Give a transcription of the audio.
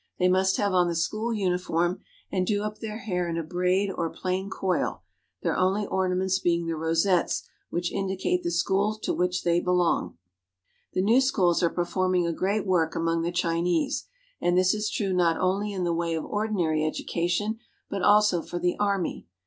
They must have on the school uniforms and do up their hair in a braid or plain coil, their only ornaments being the rosettes which indicate the schools to which they belong. Chinese Girls — a Class in Arithmetic. The new schools are performing a great work among the Chinese, and this is true not only in the way of ordinary education, but also for the army.